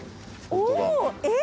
おっえっ。